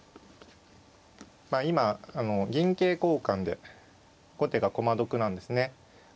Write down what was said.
まあ今銀桂交換で後手が駒得なんですね。